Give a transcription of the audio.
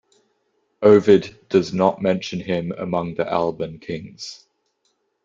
Ovid does not mention him among the Alban kings.